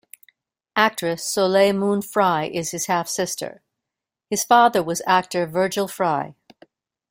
Actress Soleil Moon Frye is his half-sister; his father was actor Virgil Frye.